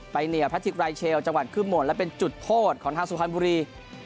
ไปเหนียวพระธิกรายเชลจังหวัดขึ้นหมดและเป็นจุดโพธิของทางสุภัณฑ์บุรี